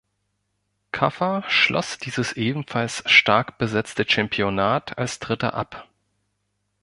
Kaffer schloss dieses ebenfalls stark besetzte Championat als dritter ab.